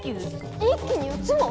一気に４つも？